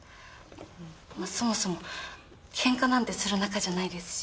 そもそも喧嘩なんてする仲じゃないですし。